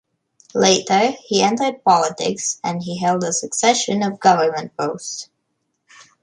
Later he entered politics and he held a succession of government posts.